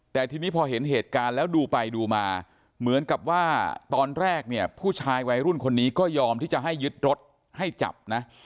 แต่ทีนี้พอเห็นเหตุการณ์แล้วดูไปดูมาเหมือนกับว่าตอนแรกเนี่ยผู้ชายวัยรุ่นคนนี้ก็ยอมที่จะให้ยึดรถให้จับนะ